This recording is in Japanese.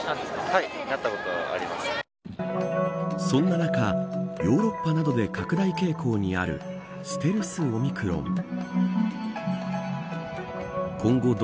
そんな中、ヨーロッパなどで拡大傾向にあるステルスオミクロン。